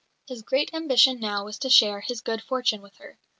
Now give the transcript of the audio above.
His great ambition now was to share his good fortune with her.